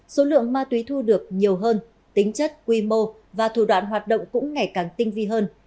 số lượng ma túy thu được nhiều hơn tính chất quy mô và thủ đoạn hoạt động cũng ngày càng tinh vi hơn